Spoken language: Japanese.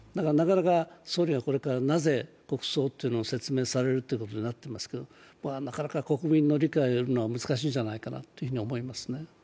総理がなぜ、これから国葬ということを説明されることになっていますけれども、なかなか国民の理解を得るのは難しいんじゃないかと思いますね。